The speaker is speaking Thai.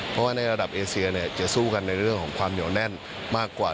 เพราะว่าในระดับเอเซียเนี่ยจะสู้กันในเรื่องของความเหนียวแน่นมากกว่า